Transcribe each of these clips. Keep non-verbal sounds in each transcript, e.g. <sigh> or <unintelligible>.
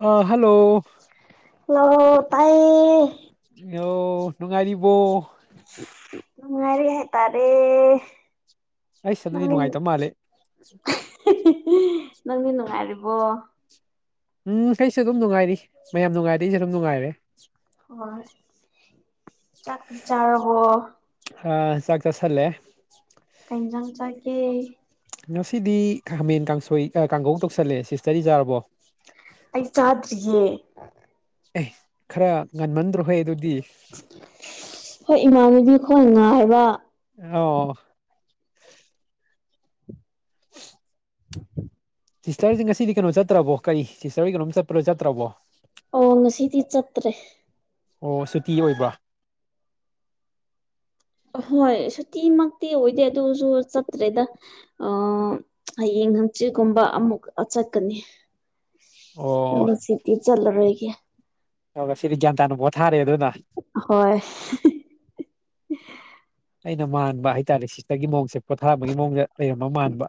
ꯑ ꯍꯜꯂꯣ ꯂ ꯇꯥꯏ ꯑ ꯅꯨꯡꯉꯥꯏꯔꯤꯕꯣ ꯃ ꯉꯔꯤ ꯍꯥꯏꯥꯏ ꯇꯔꯦ ꯑꯩꯁ ꯑꯗꯨꯗꯤ ꯅꯨꯡꯉꯥꯏꯇꯕ ꯃꯥꯜꯂꯦ ꯅꯪꯗꯤ ꯅꯨꯡꯉꯥꯏꯔꯤꯕꯣ ꯎꯝ ꯑꯩꯁꯨ ꯑꯗꯨꯝ ꯅꯨꯡꯉꯥꯏꯔꯤ ꯃꯌꯥꯝ ꯅꯨꯡꯉꯥꯏꯔ ꯑꯩꯁꯨ ꯑꯗꯨꯝ ꯅꯨꯡꯉꯥꯏꯔꯦ ꯍꯣꯏ ꯆꯥꯛꯇꯤ ꯆꯥꯔꯕꯣ ꯑ ꯆꯒ ꯆꯁꯂꯦ ꯀꯩꯖꯪ ꯆꯀꯦ ꯉꯁꯤꯗꯤ ꯈꯥꯃꯦꯟ ꯀꯥꯡꯁꯣꯏ ꯀꯥꯡꯒꯧ ꯇꯧꯁꯜꯂꯦ ꯁꯤꯁꯇꯔꯤꯖꯥꯔꯕꯣ ꯑꯩ ꯆꯗ꯭ꯔꯤꯌꯦꯦ ꯑꯦ ꯈꯔ ꯉꯟꯃꯟꯗ꯭ꯔꯣꯍꯩ ꯑꯗꯨꯗꯤ ꯍꯣꯏ ꯏꯃꯥꯟꯅꯨꯕꯤ ꯈꯣꯏ ꯉ ꯍꯥꯏꯕ ꯑꯣ <unintelligible> ꯁꯤꯁꯇꯔꯁꯦ ꯉꯁꯤꯗꯤ ꯀꯩꯅꯣ ꯆꯠꯇ꯭ꯔꯕꯣ ꯀꯔꯤ ꯁꯤꯁꯇꯔꯒꯤ ꯀꯩꯅꯣꯝ ꯆꯠꯄ ꯆꯠꯇ꯭ꯔꯕꯣ ꯑꯣ ꯉꯁꯤꯗꯤ ꯆꯠꯇ꯭ꯔꯦ ꯑꯣ ꯁꯤꯇꯤ ꯑꯣꯏꯕ ꯍꯣꯏ ꯁꯨꯇꯤꯃꯛꯇꯤ ꯑꯣꯏꯗꯦ ꯑꯗꯨꯁꯨ ꯆꯠꯇ꯭ꯔꯦꯗ ꯍꯌꯦꯡ ꯍꯪ ꯁꯤꯒꯨꯝꯕ ꯑꯃꯨꯛ ꯆꯠꯀꯅꯤ ꯑꯣ ꯑꯗꯨꯒ ꯁꯤꯗꯤꯤ ꯆꯠꯂꯔꯒꯦ ꯑꯗꯨꯒ ꯁꯤꯗꯤ ꯒ꯭ꯌꯥꯟ ꯇꯥꯅ ꯄꯣꯠ ꯊꯥꯔꯦ ꯑꯗꯨꯅ ꯍꯣꯏ <unintelligible> ꯑꯩꯅ ꯃꯥꯟꯕ ꯍꯥꯏꯇꯥꯔꯦ ꯁꯤꯇꯒꯤ ꯃꯑꯣꯡꯁꯦ ꯄꯣꯊꯥꯕꯒꯤ ꯃꯑꯣꯡꯗ ꯀ ꯑꯃ ꯃꯥꯟꯕ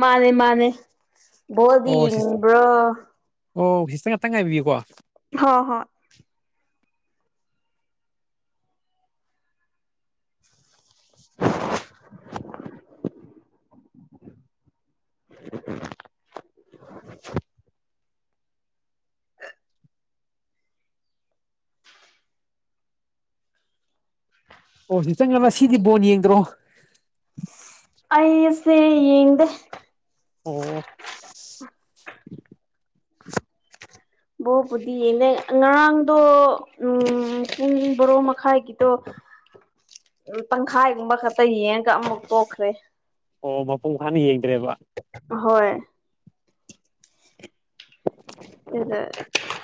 ꯃꯥꯅꯦ ꯃꯥꯅꯦ ꯕꯣꯜꯗꯤ ꯑꯣ ꯁꯤꯁ ꯌꯦꯡꯕ꯭ꯔꯣ ꯑꯣ ꯍꯤꯁꯇ ꯉꯥꯛꯇꯪ ꯉꯥꯏꯕꯤꯌꯨꯀꯣ ꯍꯣꯏ ꯍꯣꯏ <unintelligible> ꯑꯣ ꯁꯤ ꯆꯪ ꯁꯤꯗꯤ ꯕꯣꯟ ꯌꯦꯡꯗ꯭ꯔꯣ ꯑꯩꯁꯦ ꯌꯦꯗ ꯑꯣ ꯕꯣꯕꯨꯗꯤꯅꯦ ꯉꯔꯥꯡꯗꯣ ꯎꯝ ꯄꯨꯡ ꯕꯣꯔꯣ ꯃꯈꯥꯏꯒꯤꯗꯣ <unintelligible> ꯇꯪꯈꯥꯏꯒꯨꯝꯕ ꯈꯛꯇ ꯌꯦꯡꯉꯒ ꯑꯃꯨꯛ ꯇꯣꯛꯈ꯭ꯔꯦ ꯑꯣ ꯃꯄꯨꯡ ꯐꯥꯅ ꯌꯦꯡꯗ꯭ꯔꯦꯕ ꯍꯣꯏ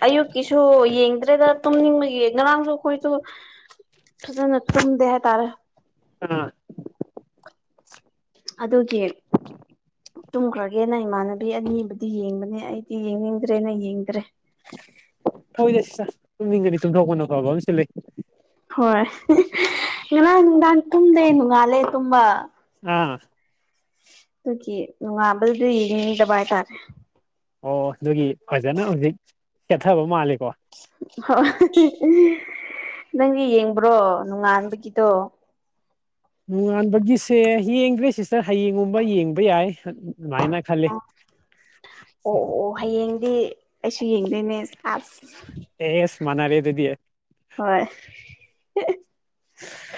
ꯑꯌꯨꯛꯀꯤꯁꯨ ꯌꯦꯡꯗ꯭ꯔꯦꯗ ꯇꯨꯝꯅꯤꯡꯕ ꯌꯦꯡ ꯉꯔꯥꯡꯁꯨ ꯑꯩꯈꯣꯏꯗꯣ ꯐꯖꯅ ꯇꯨꯝꯗꯦ ꯍꯥꯏꯇꯥꯔꯦ ꯑꯥ ꯑꯗ ꯀꯦ ꯇꯨꯝꯈ꯭ꯔꯒꯦꯅ ꯏꯃꯥꯟꯅꯕꯤ ꯑꯅꯤꯕꯨꯗꯤ ꯌꯦꯡꯕꯅꯦ ꯑꯩꯗꯤ ꯌꯦꯡꯅꯤꯡꯗ꯭ꯔꯦꯅ ꯌꯦꯡꯗ꯭ꯔꯦ ꯍꯣꯏꯗ ꯁꯤ ꯇꯨꯝꯅꯤꯡꯒꯗꯤ ꯆꯨꯝꯊꯣꯛꯄꯅ ꯈꯕ ꯑꯃꯁꯨ ꯂꯩ ꯍꯣꯏ ꯉꯔꯥꯡ ꯅꯨꯡꯗꯥꯡ ꯇꯨꯝꯗꯦ ꯅꯣꯡꯉꯥꯜꯂꯦ ꯇꯨꯝꯕ ꯑꯥ ꯑꯗꯨꯒꯤ ꯅꯨꯡꯉꯥꯥꯟꯕꯗꯨꯗꯤ ꯌꯦꯡꯅꯤꯡꯗꯕ ꯍꯥꯏꯇꯥꯔꯦ ꯑꯣ ꯑꯗꯨꯒꯤ ꯐꯖꯅ ꯍꯧꯖꯤꯛ ꯆꯦꯊꯕ ꯃꯥꯜꯂꯦ ꯍ ꯅꯪꯒꯤ ꯌꯦꯡꯕ꯭ꯔꯣ ꯅꯣꯡꯉꯥꯟꯕꯒꯤꯗꯣ ꯅꯣꯡꯉꯥꯟꯕꯒꯤꯁꯦ ꯌꯦꯡꯗ꯭ꯔꯦ ꯁꯤꯁꯇꯔ ꯍꯌꯦꯡꯒꯨꯝꯕ ꯌꯦꯡꯕ ꯌꯥꯏ ꯑꯗꯨꯃꯥꯏꯅ ꯈꯜꯂꯤ ꯑꯣ ꯑꯣ ꯍꯌꯦꯡ ꯗꯤ ꯑꯩꯁꯨ ꯌꯦꯡꯗꯣꯏꯅꯦ ꯑꯥꯞꯁ ꯑꯦꯁ ꯃꯅꯔꯦ ꯑꯗꯨꯗꯤꯌꯦꯦ ꯍꯣꯏ <unintelligible>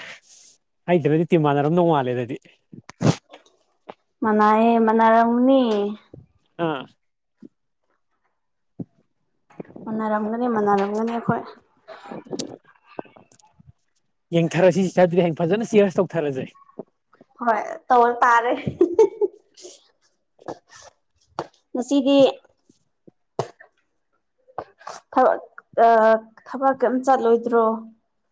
ꯍꯩꯇ꯭ꯔꯗꯤ ꯇꯤ ꯃꯥꯟꯅꯔꯝ ꯅꯧ ꯃꯥꯜꯂꯦ ꯑꯗꯨꯗꯤ ꯃꯅꯥꯑꯦ ꯃꯅꯥꯔꯝꯅꯤ ꯑꯥ ꯃꯟꯅꯔꯝꯒꯅꯤ ꯃꯅꯔꯝꯒꯅꯤ ꯑꯩꯈꯣꯏ ꯌꯦꯡꯊꯔꯁꯤ ꯁꯗꯨꯗꯤ ꯍꯌꯦꯡ ꯐꯖꯅ ꯁꯤꯌꯥꯔꯁ ꯇꯧꯊꯔꯁꯦ ꯍꯣꯏ ꯇ ꯇꯥꯔꯦ ꯉꯁꯤꯒꯤ ꯊꯕꯛ ꯊꯕꯛꯝ ꯆꯠꯂꯣꯏꯗ꯭ꯔꯣ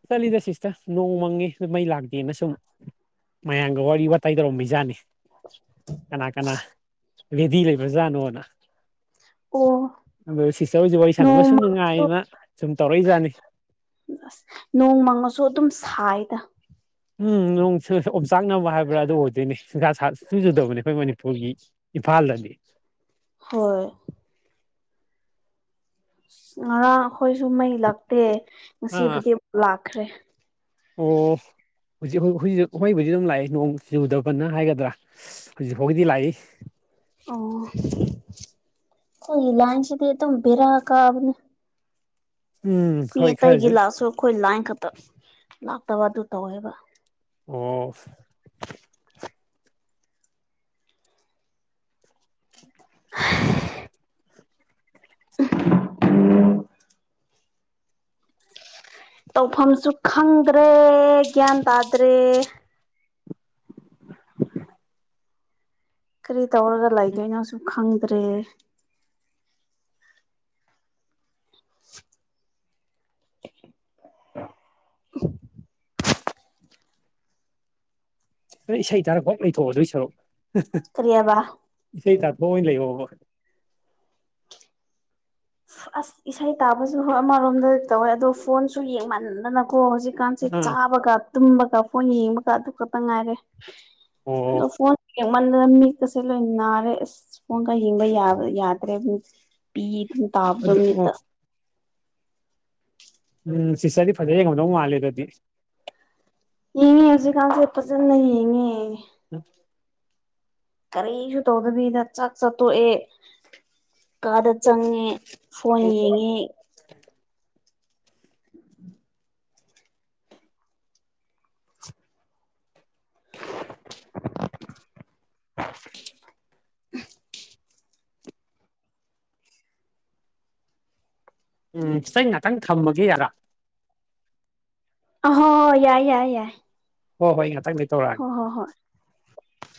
ꯆꯠꯂꯤꯗ ꯁꯤꯁꯇ ꯅꯣꯡ ꯃꯪꯉꯦ ꯃꯩ ꯂꯥꯛꯇꯦꯅ ꯁꯨꯝ ꯃꯌꯥꯝꯒ ꯋꯥꯔꯤ ꯋꯥꯇꯥꯏ ꯇꯧꯔꯝꯃꯤꯩꯖꯥꯠꯅꯤ ꯀꯅꯥ ꯀꯅꯥ ꯔꯦꯗꯤ ꯂꯩꯕ꯭ꯔꯖꯥꯠꯅꯣꯅ ꯑꯣ ꯑꯗꯨ ꯁꯤꯁꯇꯔ ꯍꯁ ꯋꯥꯔꯤ ꯁꯥꯟꯅꯕꯁꯨꯨꯝ ꯅꯣꯡꯃꯗꯣ ꯅꯨꯡꯉꯥꯏꯌꯦꯅ ꯁꯨꯝ ꯇꯧꯔꯛꯏꯖꯥꯠꯅꯤ ꯅꯣꯡꯃꯪꯉꯁꯨ ꯑꯗꯨꯝ ꯁꯥꯏꯗ ꯎꯝ ꯅꯣꯡ ꯑꯣꯝꯆꯥꯛꯅꯕ ꯍꯥꯏꯕ꯭ꯔꯥ ꯑꯗꯨ ꯑꯣꯏꯗꯣꯏꯅꯦ ꯟꯖꯥ ꯁꯨꯖꯨꯗꯕꯅꯦ ꯑꯩꯈꯣꯏ ꯃꯅꯤꯄꯨꯔꯒꯤ ꯏꯝꯐꯥꯜꯗꯗꯤ ꯍꯣꯏ ꯑ ꯉꯔꯥꯡ ꯑꯩꯈꯣꯏꯁꯨ ꯃꯩ ꯂꯛꯇꯦ ꯑꯥ ꯉꯁꯤꯕꯨꯗꯤ ꯂꯥꯛꯈ꯭ꯔꯦ ꯑꯣ ꯍꯧꯖꯤꯛ ꯍꯧꯖꯤꯛ ꯍꯣꯏꯕꯨꯗꯤ ꯑꯗꯨꯝ ꯂꯥꯛꯏ ꯅꯣꯡ ꯆꯨꯖꯨꯗ ꯐꯅ ꯍꯥꯏꯒꯗ꯭ꯔꯥ ꯍꯧꯖꯤꯛ ꯐꯥꯎꯒꯤꯗꯤ ꯂꯥꯛꯏ ꯑꯣ ꯑꯩꯣꯏ ꯂꯥꯟꯆꯗꯦꯇ ꯄꯤꯔꯥ ꯀꯥ ꯎꯝ ꯃꯤ ꯍꯣꯏ ꯑꯇꯩꯒꯤ ꯈꯔꯁꯨ ꯂꯥꯛꯑꯁꯨ ꯑꯩꯈꯣꯏ ꯂꯥꯏꯟ ꯈꯛꯇ ꯂꯥꯛꯇꯕ ꯑꯗꯨ ꯇꯧꯋꯦꯕ ꯑꯣ <unintelligible> ꯑ ꯇꯧꯐꯝꯁꯨ ꯈꯪꯗ꯭ꯔꯦ ꯒ꯭ꯌꯥꯟ ꯇꯥꯗ꯭ꯔꯦ ꯀꯔꯤ ꯇꯧꯔꯒ ꯂꯩꯒꯦꯩꯅꯣꯁꯨ ꯈꯪꯗ꯭ꯔꯦ <unintelligible> ꯅ ꯏꯁꯩ ꯇꯥꯔꯛꯐꯥꯎ ꯂꯩꯊꯣꯛꯑꯣ ꯑꯗꯨꯏ ꯁꯔꯨꯛ ꯀꯔꯤꯕ ꯏꯁꯩ ꯇꯥꯔꯛ ꯍꯣ ꯂꯩ ꯍꯣ ꯑꯁ ꯏꯁꯩ ꯇꯥꯕꯁꯨ ꯍꯣꯏ ꯑꯃꯔꯣꯝꯗ ꯇꯧꯋꯦ ꯑꯗꯣ ꯐꯣꯟꯁꯨ ꯌꯦꯡꯃꯥꯟꯗꯅꯕ ꯑꯣ ꯍꯧꯖꯤꯛꯀꯥꯟꯁꯦ ꯑꯥ ꯆꯥꯕꯒ ꯇꯨꯝꯕꯒ ꯐꯣꯟ ꯌꯦꯡꯕꯒ ꯑꯗꯨ ꯈꯛꯇ ꯉꯥꯏꯔꯦ ꯑꯣ ꯑ ꯐꯣꯟꯣꯟ ꯟꯗꯅ ꯃꯤꯀꯁꯦ ꯂꯣꯏ ꯅꯥꯔꯦ ꯑꯁꯣꯟꯒ ꯍꯤꯡꯕ ꯌꯥ ꯌꯥꯗ꯭ꯔꯦ ꯄꯤ ꯑꯗꯨꯝ ꯑꯗꯨ ꯑꯣ ꯇꯥꯕꯕꯃꯤꯠꯇ ꯎꯝ ꯁꯤꯁꯔꯗꯤ ꯐꯖꯩ ꯌꯦꯡꯉꯝꯗꯧ ꯃꯥꯜꯂꯦ ꯑꯗꯨꯗꯤ ꯌꯦꯡꯉꯦ ꯍꯧꯖꯤꯛꯀꯥꯟꯁꯦ ꯐꯖꯅ ꯌꯦꯡꯉꯦ ꯎꯝ ꯀꯔꯤꯁꯨ ꯇꯧꯗꯕꯤꯅ ꯆꯥꯛ ꯆꯠꯇꯣꯛꯑꯦ ꯀꯥꯗ ꯆꯪꯉꯦ ꯐꯣꯟ ꯌꯦꯡꯉꯦ <unintelligible> ꯎꯝ ꯏꯁꯩꯆ ꯉꯥꯛꯇꯪ ꯊꯝꯕꯒꯤ ꯑꯔꯥ ꯍ ꯌꯥꯏ ꯌꯥꯏ ꯌꯥꯏ ꯍꯣ ꯍꯣꯏ ꯌꯥ ꯍ ꯍꯣ ꯍꯣꯏ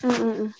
ꯎꯝ ꯎꯝ ꯎꯝ